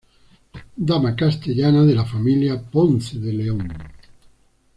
Dama castellana de la familia Ponce de León.